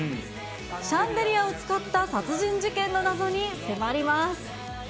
シャンデリアを使った殺人事件の謎に迫ります。